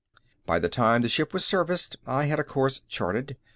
By the time the ship was serviced, I had a course charted.